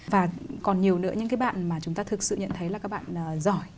và còn nhiều nữa những cái bạn mà chúng ta thực sự nhận thấy là các bạn giỏi